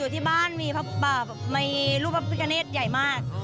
ที่บ้านมีรูปพระพิกาเนตใหญ่มาก